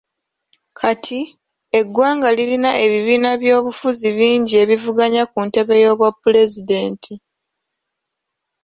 Kati, eggwanga lirina ebibiina by'obufuzi bingi ebivuganya ku ntebe y'obwa pulezidenti.